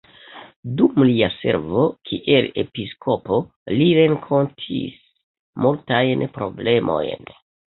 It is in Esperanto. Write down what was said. Dum lia servo kiel episkopo, li renkontis multajn problemojn.